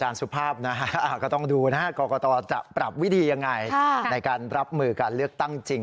เราจะปรับวิธียังไงในการรับมือการเลือกตั้งจริง